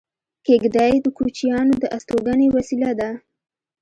کېږدۍ د کوچیانو د استوګنې وسیله ده